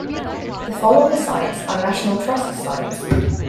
The following sites are National Trust sites.